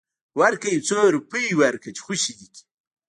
ورکه يو څو روپۍ ورکه چې خوشې دې کي.